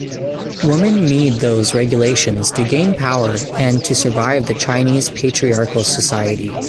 Women need those regulations to gain power and to survive the Chinese patriarchal society.